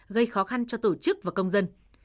gây khó khăn cho tổ chức và công dân